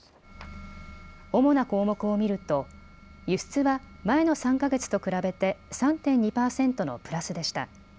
主な項目を見ると輸出は前の３か月と比べて３．２％のプラスでした。